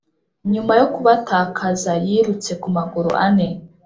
nyuma yo kubatakaza, yirutse ku maguru ane